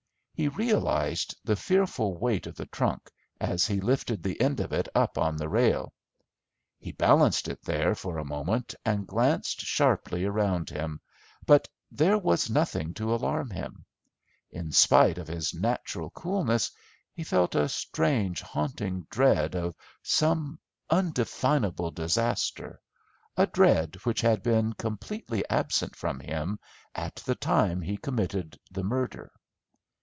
He realised the fearful weight of the trunk as he lifted the end of it up on the rail. He balanced it there for a moment, and glanced sharply around him, but there was nothing to alarm him. In spite of his natural coolness, he felt a strange, haunting dread of some undefinable disaster, a dread which had been completely absent from him at the time he committed the murder.